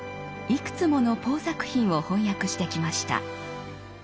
いくつものポー作品を翻訳してきました。